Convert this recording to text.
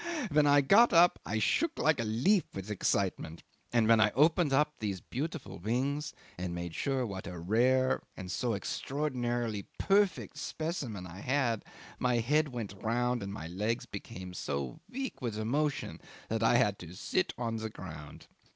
When I got up I shook like a leaf with excitement, and when I opened these beautiful wings and made sure what a rare and so extraordinary perfect specimen I had, my head went round and my legs became so weak with emotion that I had to sit on the ground.